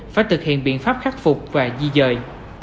phải thực hiện biện pháp khắc phục và di dời